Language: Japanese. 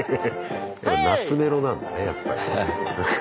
懐メロなんだねやっぱり。